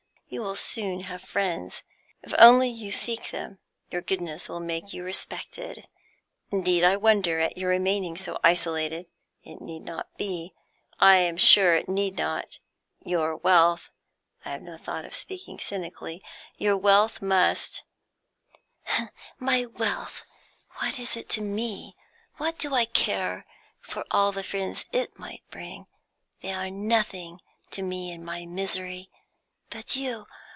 You will soon have friends, if only you seek them. Your goodness will make you respected. Indeed I wonder at your remaining so isolated. It need not be; I am sure it need not. Your wealth I have no thought of speaking cynically your wealth must " "My wealth! What is it to me? What do I care for all the friends it might bring? They are nothing to me in my misery. But you